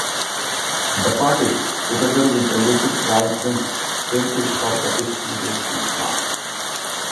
The party, together with the Likud right-wing, failed to stop the disengagement plan.